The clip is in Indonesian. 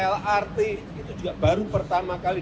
lrt itu juga baru pertama kali